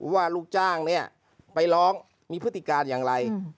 ว่าลูกจ้างเนี่ยไปร้องมีพฤติการอย่างไร